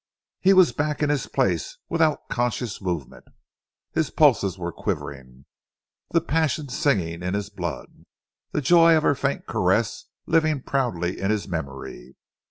He was back in his place without conscious movement. His pulses were quivering, the passion singing in his blood, the joy of her faint caress living proudly in his memory.